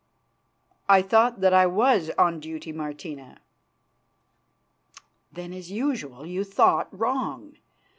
"I thought that I was on duty, Martina." "Then, as usual, you thought wrong.